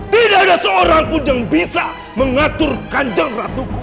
tidak ada seorang pun yang bisa mengatur kandang ratuku